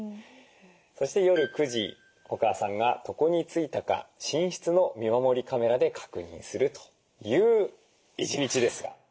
そして夜９時お母さんが床についたか寝室の見守りカメラで確認するという一日ですが。